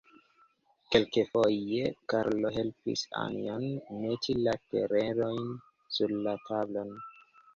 Kelkafoje Karlo helpis Anjon meti la telerojn sur la tablon.